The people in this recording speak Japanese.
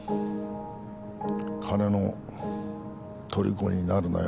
金のとりこになるなよ。